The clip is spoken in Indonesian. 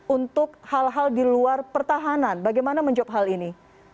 untuk hal hal di luar pertahanan bagaimana menjawab hal ini